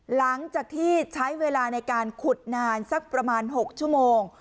หลังจากที่ใช้เวลาในการขุดนานสักประมาณ๖ชั่วโมง